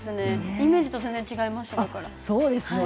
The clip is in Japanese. イメージと全然違いました。